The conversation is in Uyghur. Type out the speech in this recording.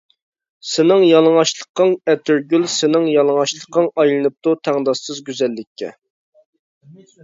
سېنىڭ يالىڭاچلىقىڭ ئەتىرگۈل سېنىڭ يالىڭاچلىقىڭ ئايلىنىپتۇ تەڭداشسىز گۈزەللىككە.